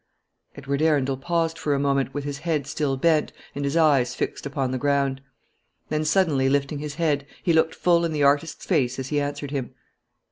Edward Arundel paused for a moment, with his head still bent, and his eyes fixed upon the ground. Then suddenly lifting his head, he looked full in the artist's face as he answered him.